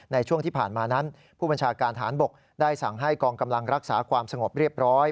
ในช่วงที่ผ่านมานั้นผู้บัญชาการฐานบกได้สั่งให้กองกำลังรักษาความสงบเรียบร้อย